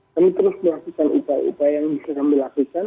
kami terus melakukan upaya upaya yang bisa kami lakukan